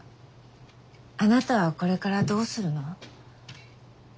あなたはこれからどうするの？